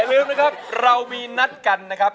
อย่าลืมนะครับเรามีนัดกันนะครับ